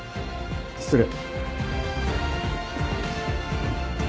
失礼。